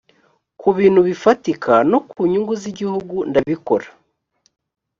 ku bintu bifatika no ku nyungu z’igihugu ndabikora